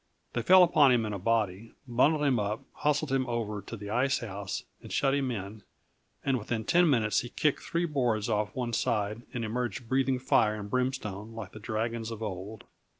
They fell upon him in a body, bundled him up, hustled him over to the ice house, and shut him in; and within ten minutes he kicked three boards off one side and emerged breathing fire and brimstone like the dragons of old.